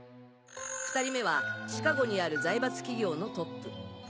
２人目はシカゴにある財閥企業のトップ。